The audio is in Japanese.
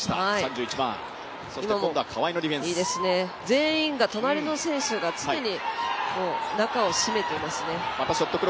全員が隣の選手が常に中を締めていますね。